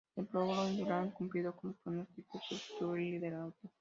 En el prólogo, Indurain cumplió con los pronósticos y obtuvo el liderato.